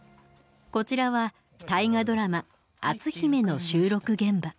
こちらは大河ドラマ「篤姫」の収録現場。